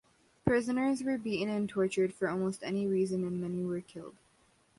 Prisoners were beaten and tortured for almost any reason and many were killed.